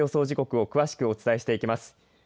時刻を詳しくお伝えしていきます。